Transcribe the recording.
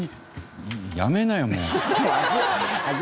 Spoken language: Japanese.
諦めなよ。